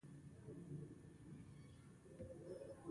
لکه ناوې چې سينګار کړې.